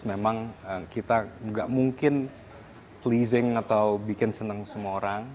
memang kita nggak mungkin pleasing atau bikin senang semua orang